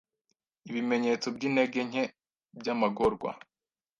Ibimenyetso byintege nke byamagorwa